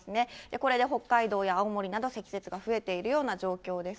これで北海道や青森など、積雪が増えているような状況です。